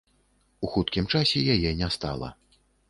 У хуткім часе яе не стала.